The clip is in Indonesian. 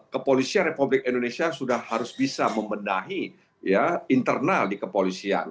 kepolisian republik indonesia sudah harus bisa membenahi internal di kepolisian